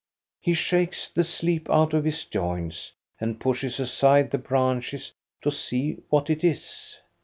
He shakes the sleep out of his joints, and pushes aside the branches to see what it is.